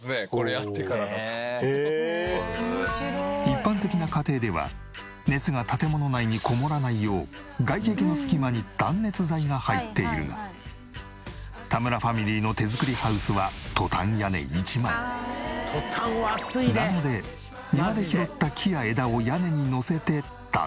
一般的な家庭では熱が建物内にこもらないよう外壁の隙間に断熱材が入っているが田村ファミリーの手作りハウスはなので庭で拾った木や枝を屋根にのせて断熱。